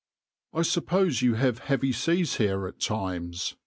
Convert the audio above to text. "\par "I suppose you have heavy seas here at times?"